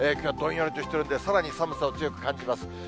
どんよりとしているんで、さらに寒さを強く感じます。